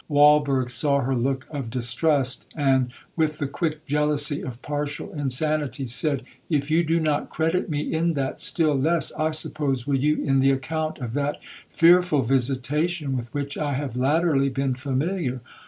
Walberg saw her look of distrust, and, with the quick jealousy of partial insanity, said, 'If you do not credit me in that, still less, I suppose, will you in the account of that fearful visitation with which I have latterly been familiar.'